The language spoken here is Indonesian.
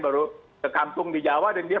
baru ke kampung di jawa dan dia